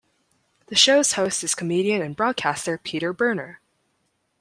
The show's host is comedian and broadcaster Peter Berner.